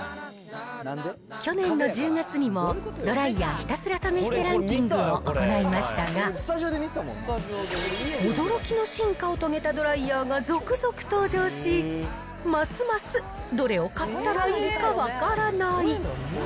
去年の１０月にもドライヤーひたすら試してランキングを行いましたが、驚きの進化を遂げたドライヤーが続々登場し、ますますどれを買ったらいいか分からない。